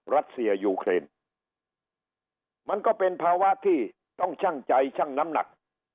รัสเซียยูเครนมันก็เป็นภาวะที่ต้องชั่งใจชั่งน้ำหนัก